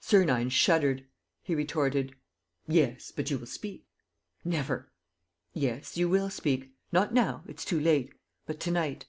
Sernine shuddered. He retorted: "Yes, but you will speak." "Never!" "Yes, you will speak. Not now; it's too late. But to night."